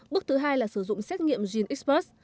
bước thứ hai là sử dụng xét nghiệm genexpress